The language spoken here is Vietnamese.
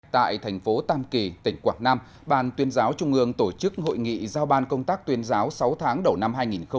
tại thành phố tam kỳ tỉnh quảng nam ban tuyên giáo trung ương tổ chức hội nghị giao ban công tác tuyên giáo sáu tháng đầu năm hai nghìn một mươi chín